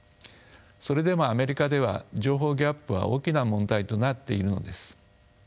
それでもアメリカでは情報ギャップは大きな問題となっているのです。